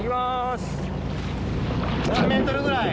何ｍぐらい？